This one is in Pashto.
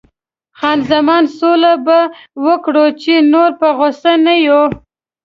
خان زمان: سوله به وکړو، چې نور په غوسه نه یو.